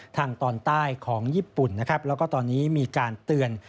ทางตอนใต้ของญี่ปุ่นนะครับแล้วก็ตอนนี้มีการเตือน